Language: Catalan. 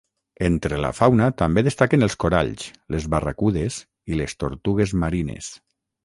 Entre la fauna també destaquen els coralls, les barracudes i les tortugues marines.